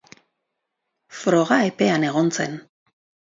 Froga epean egon zen.